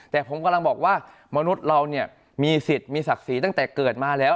แต่ผมกำลังบอกว่ามนุษย์เราเนี่ยมีสิทธิ์มีศักดิ์ศรีตั้งแต่เกิดมาแล้ว